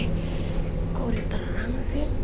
kok udah terang sih